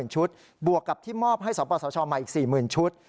๕๐๐๐๐ชุดบวกกับที่มอบให้สปสชมาอีก๔๐๐๐๐ชุด